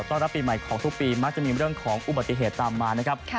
ต้อนรับปีใหม่ของทุกปีมักจะมีความอุบัติเหตุต่ำมา